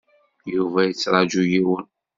Yuba yettṛaju yiwen.